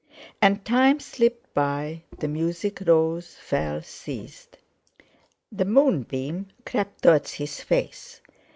And time slipped by, the music rose, fell, ceased; the moonbeam crept towards his face.